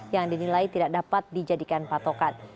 yang dinilai tidak dapat dijadikan patokan